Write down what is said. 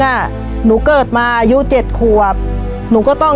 ชีวิตหนูเกิดมาเนี่ยอยู่กับดิน